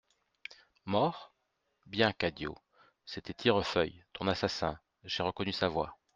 Mort ? Bien, Cadio !… C'était Tirefeuille, ton assassin, j'ai reconnu sa voix.